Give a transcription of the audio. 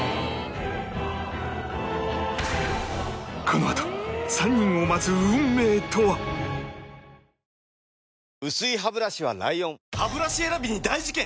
このあと薄いハブラシは ＬＩＯＮハブラシ選びに大事件！